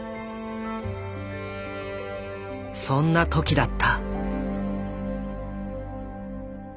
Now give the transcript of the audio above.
そんな時だった。